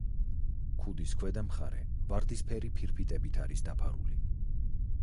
ქუდის ქვედა მხარე ვარდისფერი ფირფიტებით არის დაფარული.